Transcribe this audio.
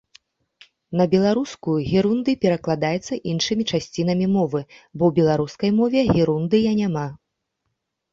На беларускую герундый перакладаецца іншымі часцінамі мовы, бо ў беларускай мове герундыя няма.